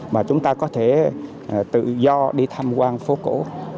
và chúng ta có thể tự do đi thăm quan phố cổ